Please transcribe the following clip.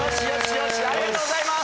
ありがとうございます！